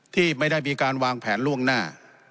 ที่ไม่ได้มีการวางแผนล่วงหน้า